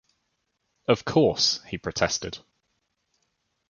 "Of course," he protested.